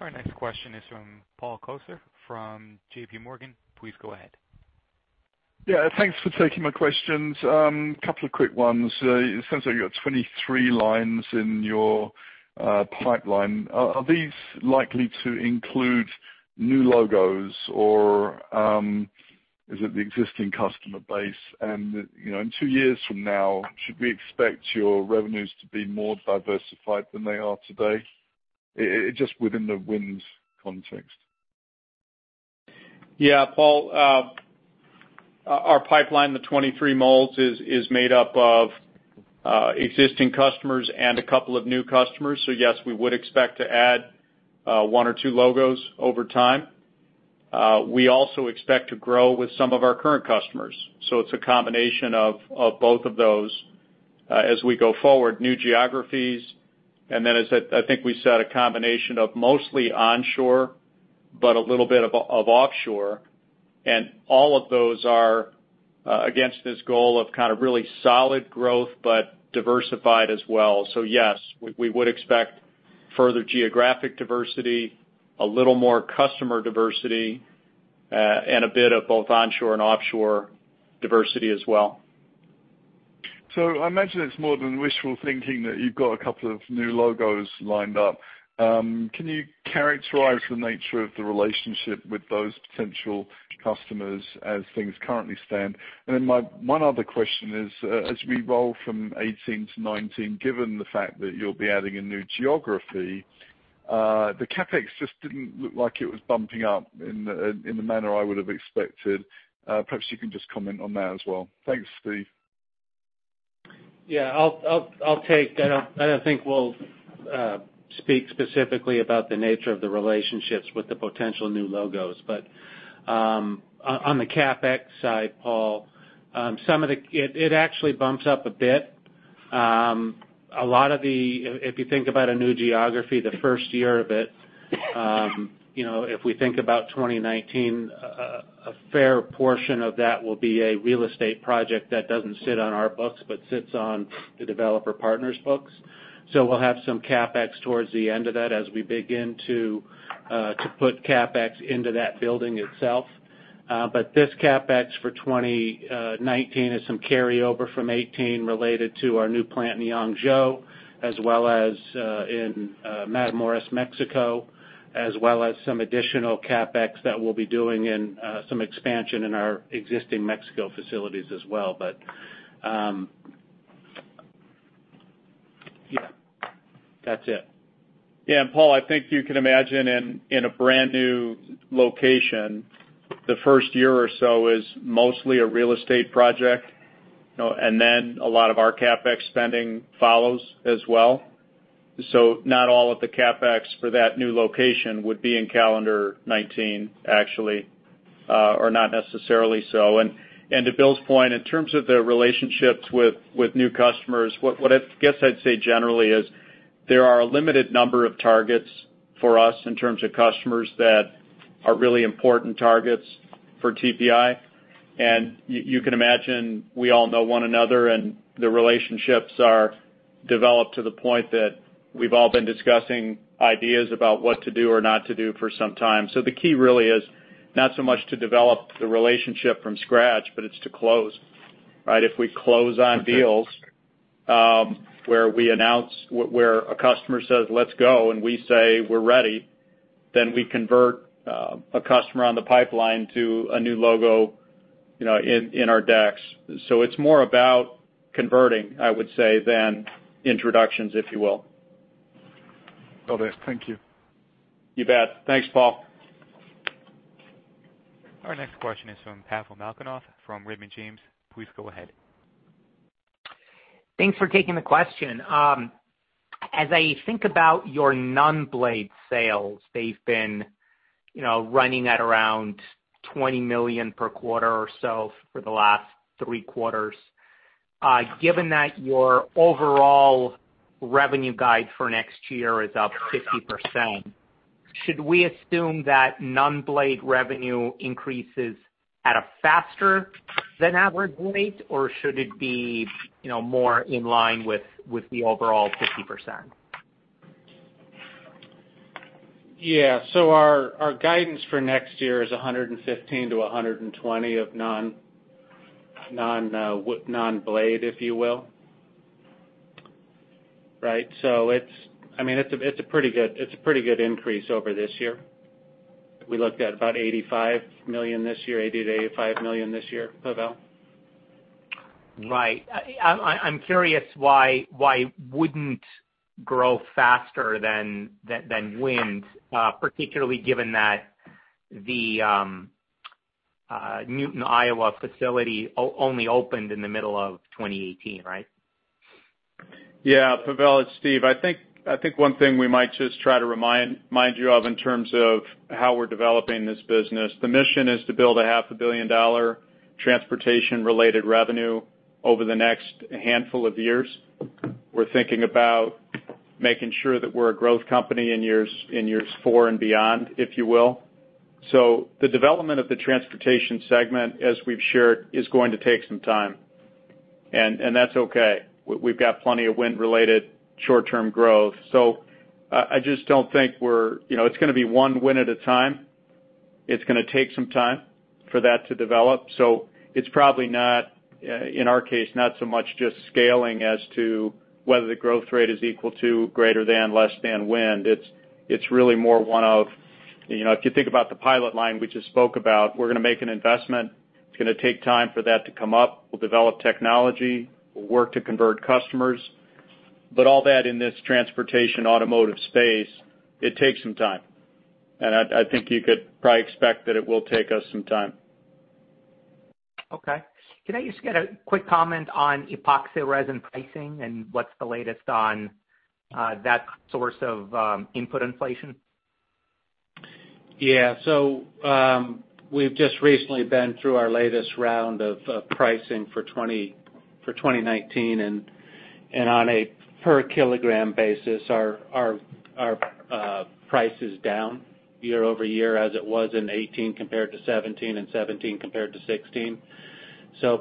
Our next question is from Paul Coster from JPMorgan. Please go ahead. Yeah, thanks for taking my questions. Couple of quick ones. It seems like you've got 23 lines in your pipeline. Are these likely to include new logos or is it the existing customer base? In two years from now, should we expect your revenues to be more diversified than they are today? Just within the winds context. Yeah, Paul. Our pipeline, the 23 molds, is made up of existing customers and a couple of new customers. Yes, we would expect to add one or two logos over time. We also expect to grow with some of our current customers. It's a combination of both of those as we go forward, new geographies, and then as I think we said, a combination of mostly onshore, but a little bit of offshore. All of those are against this goal of kind of really solid growth, but diversified as well. Yes, we would expect further geographic diversity, a little more customer diversity, and a bit of both onshore and offshore diversity as well. I imagine it's more than wishful thinking that you've got a couple of new logos lined up. Can you characterize the nature of the relationship with those potential customers as things currently stand? Then my one other question is, as we roll from 2018 to 2019, given the fact that you'll be adding a new geography, the CapEx just didn't look like it was bumping up in the manner I would have expected. Perhaps you can just comment on that as well. Thanks, Steve. Yeah. I'll take that. I don't think we'll speak specifically about the nature of the relationships with the potential new logos. On the CapEx side, Paul, it actually bumps up a bit. If you think about a new geography, the first year of it, if we think about 2019, a fair portion of that will be a real estate project that doesn't sit on our books but sits on the developer partner's books. We'll have some CapEx towards the end of that as we begin to put CapEx into that building itself. This CapEx for 2019 is some carryover from 2018 related to our new plant in Yangzhou, as well as in Matamoros, Mexico, as well as some additional CapEx that we'll be doing in some expansion in our existing Mexico facilities as well, Yeah. That's it. Yeah, Paul, I think you can imagine in a brand new location, the first year or so is mostly a real estate project, and then a lot of our CapEx spending follows as well. Not all of the CapEx for that new location would be in calendar 2019, actually, or not necessarily so. To Bill's point, in terms of the relationships with new customers, what I guess I'd say generally is there are a limited number of targets for us in terms of customers that are really important targets for TPI. You can imagine we all know one another, and the relationships are developed to the point that we've all been discussing ideas about what to do or not to do for some time. The key really is not so much to develop the relationship from scratch, but it's to close. Right? If we close on deals where a customer says, "Let's go," and we say, "We're ready," then we convert a customer on the pipeline to a new logo in our decks. It's more about converting, I would say, than introductions, if you will. Got it. Thank you. You bet. Thanks, Paul. Our next question is from Pavel Molchanov from Raymond James. Please go ahead. Thanks for taking the question. As I think about your non-blade sales, they've been running at around $20 million per quarter or so for the last three quarters. Given that your overall revenue guide for next year is up 50%, should we assume that non-blade revenue increases at a faster than average rate, or should it be more in line with the overall 50%? Yeah. Our guidance for next year is $115-$120 of non-blade, if you will. Right? It's a pretty good increase over this year. We looked at about $85 million this year. $80 million-$85 million this year, Pavel? Right. I'm curious why it wouldn't grow faster than wind, particularly given that the Newton, Iowa facility only opened in the middle of 2018, right? Yeah. Pavel, it's Steve. I think one thing we might just try to remind you of in terms of how we're developing this business, the mission is to build a half a billion-dollar transportation-related revenue over the next handful of years. We're thinking about making sure that we're a growth company in years four and beyond, if you will. The development of the transportation segment, as we've shared, is going to take some time, and that's okay. We've got plenty of wind-related short-term growth. I just don't think It's going to be one win at a time. It's going to take some time for that to develop. It's probably, in our case, not so much just scaling as to whether the growth rate is equal to greater than, less than wind. It's really more one of, if you think about the pilot line we just spoke about, we're going to make an investment. It's going to take time for that to come up. We'll develop technology. We'll work to convert customers. All that in this transportation automotive space, it takes some time. I think you could probably expect that it will take us some time. Okay. Can I just get a quick comment on epoxy resin pricing and what's the latest on that source of input inflation? Yeah. We've just recently been through our latest round of pricing for 2019, and on a per kilogram basis, our price is down year-over-year as it was in 2018 compared to 2017 and 2017 compared to 2016.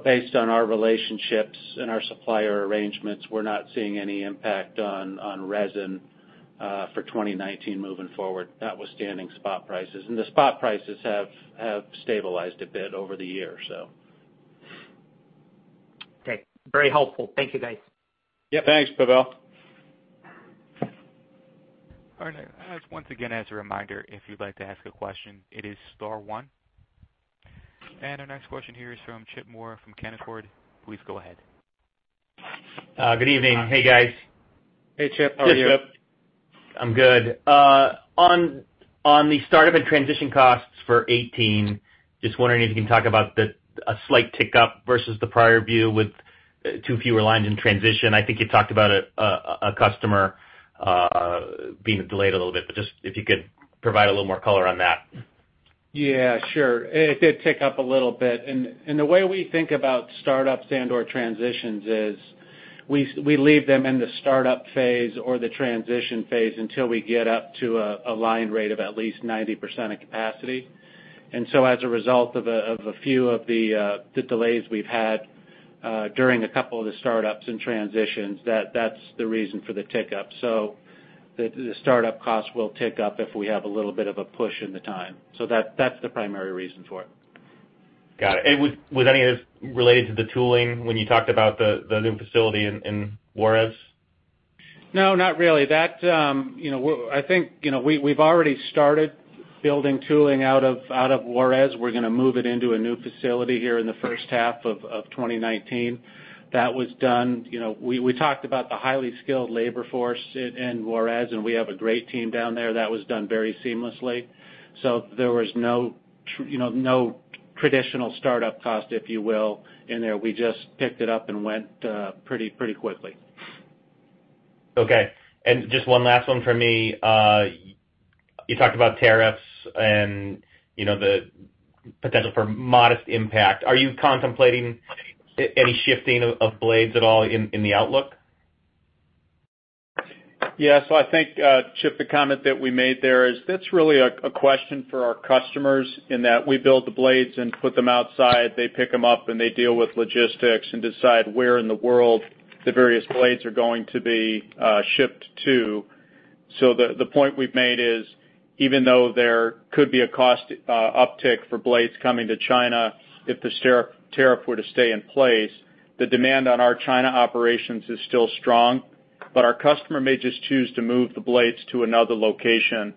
Based on our relationships and our supplier arrangements, we're not seeing any impact on resin for 2019 moving forward, notwithstanding spot prices. The spot prices have stabilized a bit over the year. Okay. Very helpful. Thank you, guys. Yep. Thanks, Pavel. All right. Once again, as a reminder, if you'd like to ask a question, it is star one. Our next question here is from Chip Moore from Canaccord. Please go ahead. Good evening. Hey, guys. Hey, Chip. How are you? Hey, Chip. I'm good. On the startup and transition costs for 2018, just wondering if you can talk about a slight tick up versus the prior view with two fewer lines in transition. I think you talked about a customer being delayed a little bit, but just if you could provide a little more color on that. Yeah, sure. It did tick up a little bit. The way we think about startups and/or transitions is we leave them in the startup phase or the transition phase until we get up to a line rate of at least 90% of capacity. As a result of a few of the delays we've had during a couple of the startups and transitions, that's the reason for the tick up. The startup costs will tick up if we have a little bit of a push in the time. That's the primary reason for it. Got it. Was any of it related to the tooling when you talked about the new facility in Juarez? No, not really. I think we've already started building tooling out of Juarez. We're going to move it into a new facility here in the first half of 2019. That was done. We talked about the highly skilled labor force in Juarez, and we have a great team down there. That was done very seamlessly. There was no traditional startup cost, if you will, in there. We just picked it up and went pretty quickly. Okay. Just one last one from me. You talked about tariffs and the potential for modest impact. Are you contemplating any shifting of blades at all in the outlook? Yeah. I think, Chip, the comment that we made there is that is really a question for our customers in that we build the blades and put them outside. They pick them up, and they deal with logistics and decide where in the world the various blades are going to be shipped to. The point we have made is, even though there could be a cost uptick for blades coming to China, if the tariff were to stay in place, the demand on our China operations is still strong, but our customer may just choose to move the blades to another location.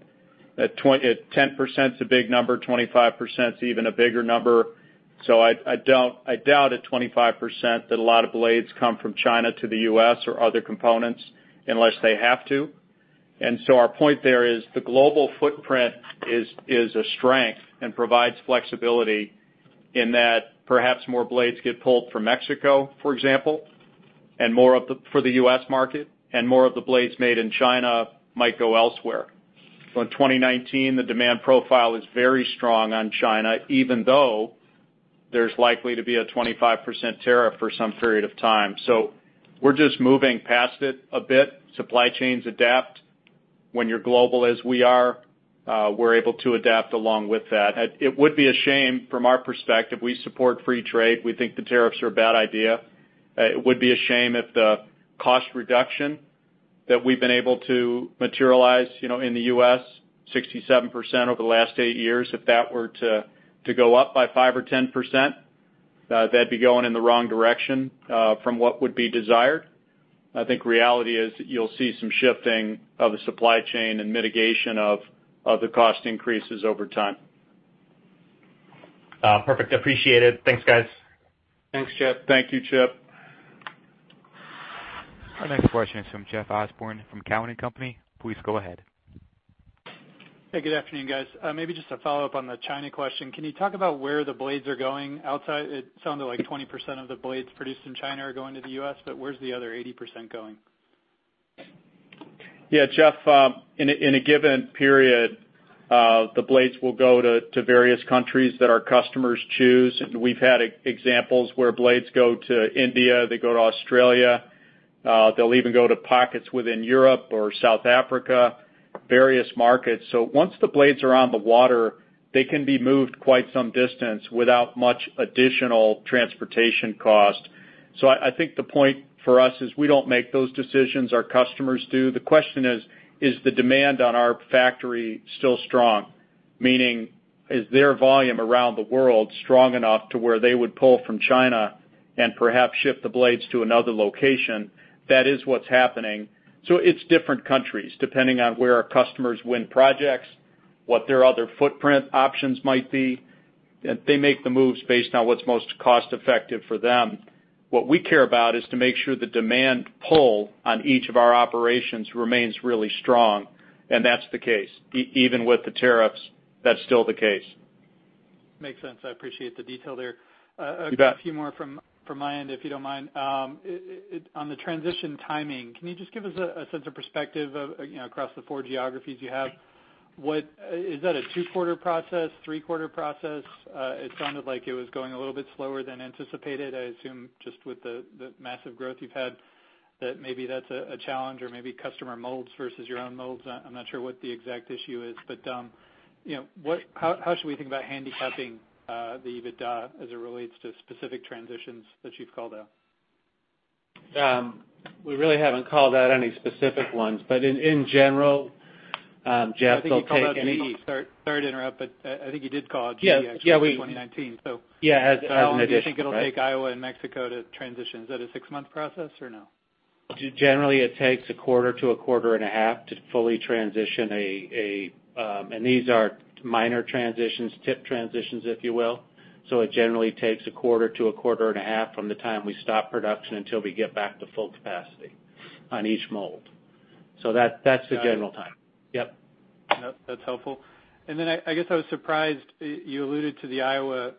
10% is a big number, 25% is even a bigger number. I doubt at 25% that a lot of blades come from China to the U.S. or other components unless they have to. Our point there is the global footprint is a strength and provides flexibility in that perhaps more blades get pulled from Mexico, for example, for the U.S. market, and more of the blades made in China might go elsewhere. For 2019, the demand profile is very strong on China, even though there is likely to be a 25% tariff for some period of time. We are just moving past it a bit. Supply chains adapt. When you are global as we are, we are able to adapt along with that. It would be a shame from our perspective. We support free trade. We think the tariffs are a bad idea. It would be a shame if the cost reduction that we have been able to materialize in the U.S., 67% over the last eight years, if that were to go up by 5% or 10%, that would be going in the wrong direction from what would be desired. I think reality is you will see some shifting of the supply chain and mitigation of the cost increases over time. Perfect. Appreciate it. Thanks, guys. Thanks, Chip. Thank you, Chip. Our next question is from Jeff Osborne from Cowen and Company. Please go ahead. Hey, good afternoon, guys. Maybe just a follow-up on the China question. Can you talk about where the blades are going outside? It sounded like 20% of the blades produced in China are going to the U.S., but where's the other 80% going? Yeah, Jeff, in a given period, the blades will go to various countries that our customers choose. We've had examples where blades go to India, they go to Australia. They'll even go to pockets within Europe or South Africa, various markets. Once the blades are on the water, they can be moved quite some distance without much additional transportation cost. I think the point for us is we don't make those decisions, our customers do. The question is: Is the demand on our factory still strong? Meaning, is their volume around the world strong enough to where they would pull from China and perhaps ship the blades to another location? That is what's happening. It's different countries, depending on where our customers win projects, what their other footprint options might be. They make the moves based on what's most cost effective for them. What we care about is to make sure the demand pull on each of our operations remains really strong, and that's the case. Even with the tariffs, that's still the case. Makes sense. I appreciate the detail there. You bet. A few more from my end, if you don't mind. On the transition timing, can you just give us a sense of perspective across the four geographies you have? Is that a two-quarter process, three-quarter process? It sounded like it was going a little bit slower than anticipated. I assume just with the massive growth you've had, that maybe that's a challenge or maybe customer molds versus your own molds. I'm not sure what the exact issue is, how should we think about handicapping the EBITDA as it relates to specific transitions that you've called out? We really haven't called out any specific ones, in general, Jeff, they'll take any- I think you called out GE. Sorry to interrupt, I think you did call out GE actually- Yeah in 2019. Yeah. As an addition, right? How long do you think it'll take Iowa and Mexico to transition? Is that a six-month process or no? Generally, it takes a quarter to a quarter and a half to fully transition. These are minor transitions, tip transitions, if you will. It generally takes a quarter to a quarter and a half from the time we stop production until we get back to full capacity on each mold. That's the general time. Yep. Yep. That's helpful. Then I guess I was surprised you alluded to the Iowa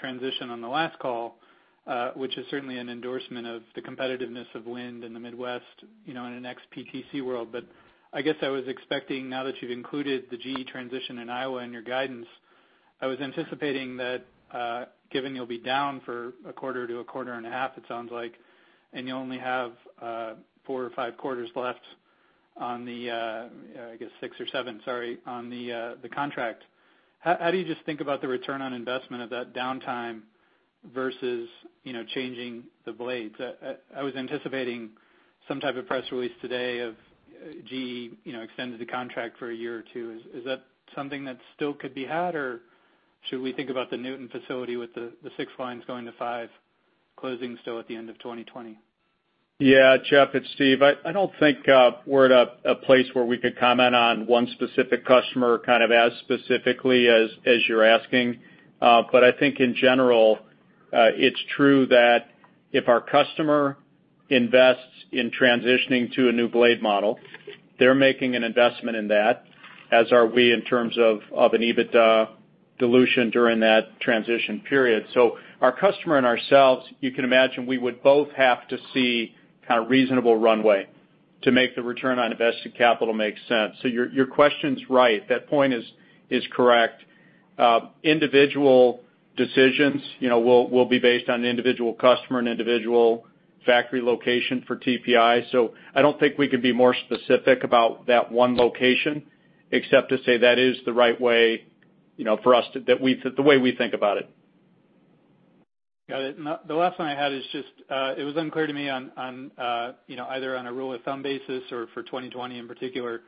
transition on the last call, which is certainly an endorsement of the competitiveness of wind in the Midwest, in an ex PTC world. I guess I was expecting now that you've included the GE transition in Iowa in your guidance, I was anticipating that, given you'll be down for a quarter to a quarter and a half, it sounds like, and you only have four or five quarters left. I guess six or seven, sorry, on the contract. How do you just think about the return on investment of that downtime versus changing the blades? I was anticipating some type of press release today of GE extended the contract for a year or two. Is that something that still could be had, or should we think about the Newton facility with the six lines going to five closing still at the end of 2020? Yeah. Jeff, it's Steve. I don't think we're at a place where we could comment on one specific customer kind of as specifically as you're asking. I think in general, it's true that if our customer invests in transitioning to a new blade model, they're making an investment in that, as are we in terms of an EBITDA dilution during that transition period. Our customer and ourselves, you can imagine we would both have to see kind of reasonable runway to make the return on invested capital make sense. Your question's right. That point is correct. Individual decisions will be based on the individual customer and individual factory location for TPI. I don't think we can be more specific about that one location, except to say that is the right way for us to the way we think about it. Got it. The last one I had is just, it was unclear to me on either on a rule of thumb basis or for 2020 in particular,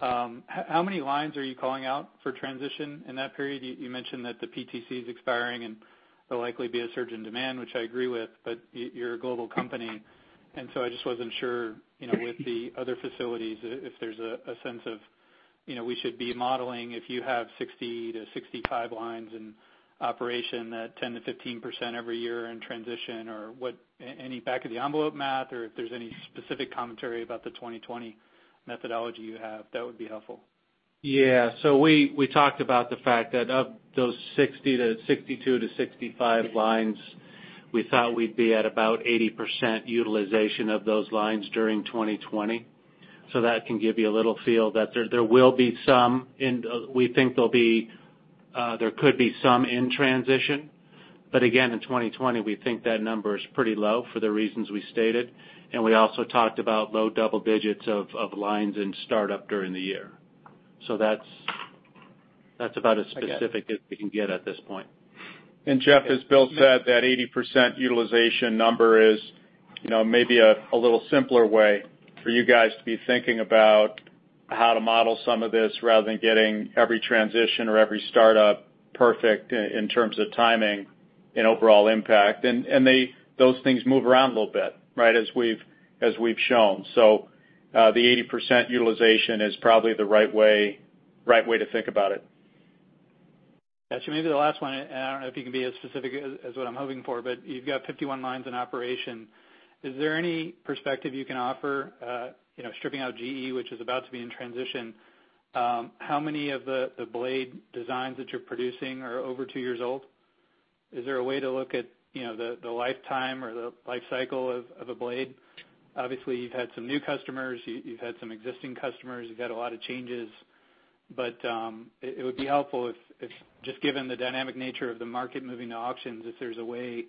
how many lines are you calling out for transition in that period? There'll likely be a surge in demand, which I agree with. You're a global company. I just wasn't sure with the other facilities if there's a sense of we should be modeling if you have 60 to 65 lines in operation, that 10%-15% every year in transition or any back of the envelope math or if there's any specific commentary about the 2020 methodology you have, that would be helpful. Yeah. We talked about the fact that of those 60 to 62 to 65 lines, we thought we'd be at about 80% utilization of those lines during 2020. That can give you a little feel that there will be some in we think there could be some in transition. Again, in 2020, we think that number is pretty low for the reasons we stated. We also talked about low double digits of lines in startup during the year. That's about as specific- I get it as we can get at this point. Jeff, as Bill said, that 80% utilization number is maybe a little simpler way for you guys to be thinking about how to model some of this rather than getting every transition or every startup perfect in terms of timing and overall impact. Those things move around a little bit, right, as we've shown. The 80% utilization is probably the right way to think about it. Yeah. Maybe the last one, and I don't know if you can be as specific as what I'm hoping for, but you've got 51 lines in operation. Is there any perspective you can offer, stripping out GE, which is about to be in transition, how many of the blade designs that you're producing are over two years old? Is there a way to look at the lifetime or the life cycle of a blade? You've had some new customers, you've had some existing customers, you've had a lot of changes, it would be helpful if just given the dynamic nature of the market moving to auctions, if there's a way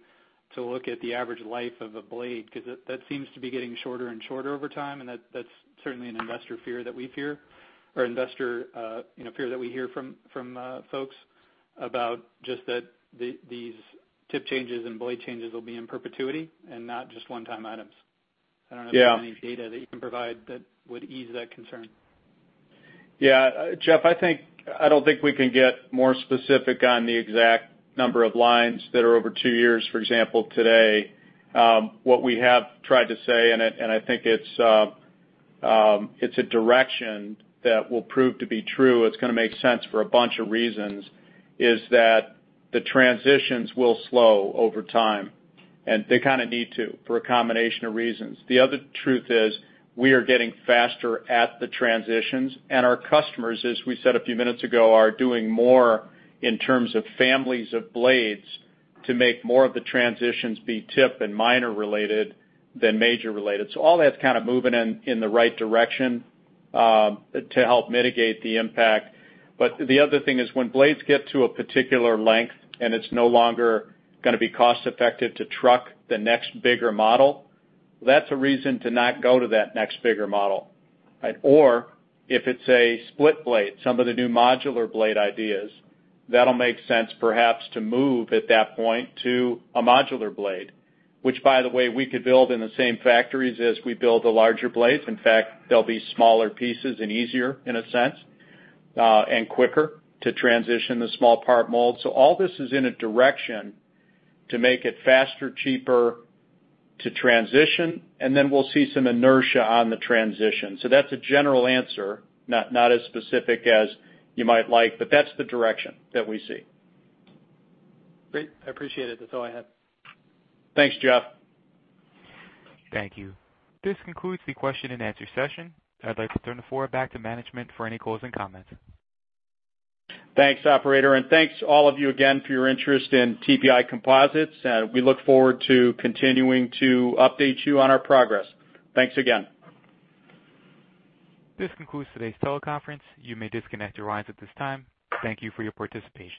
to look at the average life of a blade, because that seems to be getting shorter and shorter over time, and that's certainly an investor fear that we hear from folks about just that these tip changes and blade changes will be in perpetuity and not just one-time items. Yeah. I don't know if there's any data that you can provide that would ease that concern. Jeff, I don't think we can get more specific on the exact number of lines that are over two years, for example, today. What we have tried to say, and I think it's a direction that will prove to be true, it's going to make sense for a bunch of reasons, is that the transitions will slow over time, and they kind of need to, for a combination of reasons. The other truth is we are getting faster at the transitions, and our customers, as we said a few minutes ago, are doing more in terms of families of blades to make more of the transitions be tip and minor related than major related. All that's kind of moving in the right direction to help mitigate the impact. The other thing is when blades get to a particular length and it's no longer going to be cost-effective to truck the next bigger model, that's a reason to not go to that next bigger model. If it's a split blade, some of the new modular blade ideas, that'll make sense perhaps to move at that point to a modular blade. Which, by the way, we could build in the same factories as we build the larger blades. In fact, they'll be smaller pieces and easier in a sense, and quicker to transition the small part mold. All this is in a direction to make it faster, cheaper to transition, and then we'll see some inertia on the transition. That's a general answer. Not as specific as you might like, but that's the direction that we see. Great. I appreciate it. That's all I had. Thanks, Jeff. Thank you. This concludes the question and answer session. I'd like to turn the floor back to management for any closing comments. Thanks, operator. Thanks all of you again for your interest in TPI Composites. We look forward to continuing to update you on our progress. Thanks again. This concludes today's teleconference. You may disconnect your lines at this time. Thank you for your participation.